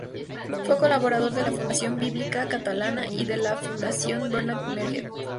Fue colaborador de la Fundación Bíblica Catalana y de la Fundación Bernat Metge.